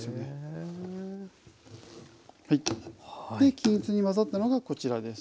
均一に混ざったのがこちらです。